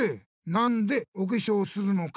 「なんでおけしょうするのか」